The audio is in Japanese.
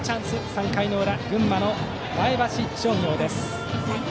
３回の裏、群馬の前橋商業です。